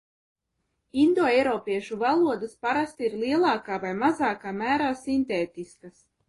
Indoeiropiešu valodas parasti ir lielākā vai mazākā mērā sintētiskas.